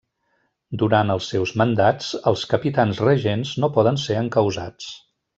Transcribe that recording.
Durant els seus mandats, els capitans regents no poden ser encausats.